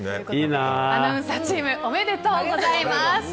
アナウンサーチームおめでとうございます。